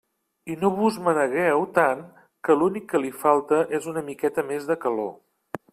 I no vos menegeu tant que l'únic que li falta és una miqueta més de calor.